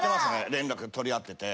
連絡とりあってて。